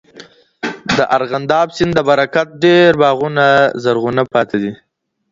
د ارغنداب سیند د برکت ډېر باغونه زرغونه پاته دي.